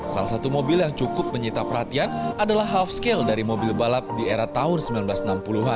salah satu mobil yang cukup menyita perhatian adalah half scale dari mobil balap di era tahun seribu sembilan ratus enam puluh an